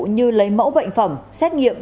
như lấy mẫu bệnh phẩm xét nghiệm